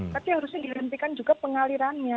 tapi harusnya dihentikan juga pengalirannya